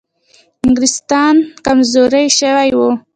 انګلیسان کمزوري شوي وو.